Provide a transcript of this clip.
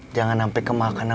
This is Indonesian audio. jangan sampe kemakanan